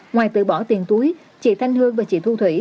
ngoài tự bỏ tiền túi chị thanh hương và chị thu thủy